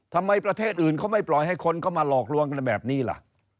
ประเทศอื่นเขาไม่ปล่อยให้คนเข้ามาหลอกลวงกันแบบนี้ล่ะ